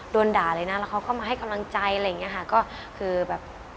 โดนด่าเลยนะแล้วเขาก็มาให้กำลังใจอะไรอย่างเงี้ยค่ะก็คือแบบ